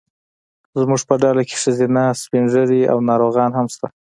زموږ په ډله کې ښځینه، سپین ږیري او ناروغان هم شته.